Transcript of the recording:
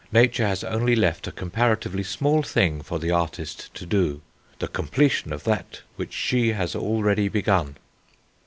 Nature has only left a comparatively small thing for the artist to do the completion of that which she has already begun."